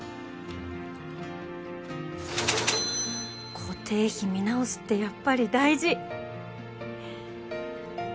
固定費見直すってやっぱり大事！